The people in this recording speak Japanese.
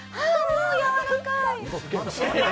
もうやわらかい！